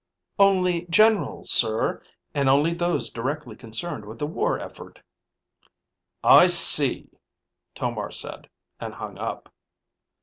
"Only generals, sir, and only those directly concerned with the war effort." "I see," Tomar said, and hung up.